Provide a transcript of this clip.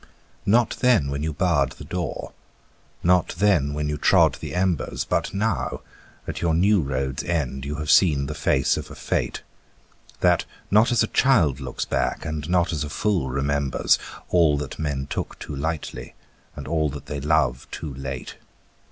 Not then when you barred the door, not then when you trod the embers, But now, at your new road's end, you have seen the face of a fate, That not as a child looks back, and not as a fool remembers, All that men took too lightly and all that they love too late.